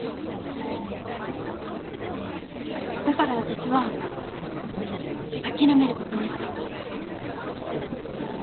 だから私は諦めることにした。